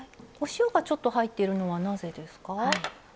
お塩がちょっと入っているのはなぜですか？